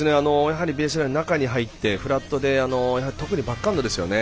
ベースラインの中に入ってフラットで特にバックハンドですよね。